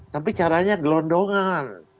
tapi caranya gelondongan